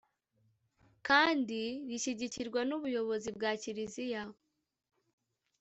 kandi rishyigikirwa n’ubuyobozi bwa kiliziya.